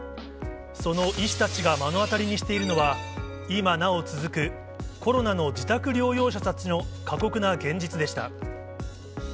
その医師たちが目の当たりにしているのは、今なお続く、コロナの自宅療養者たちの過酷な現実でした。